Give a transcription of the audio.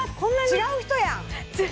違う人やん